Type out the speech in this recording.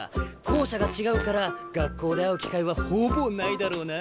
校舎が違うから学校で会う機会はほぼないだろうな。